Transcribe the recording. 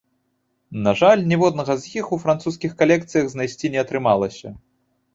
На жаль, ніводнага з іх у французскіх калекцыях знайсці не атрымалася.